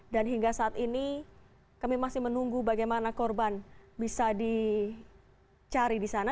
dan hingga saat ini kami masih menunggu bagaimana korban bisa dicari di sana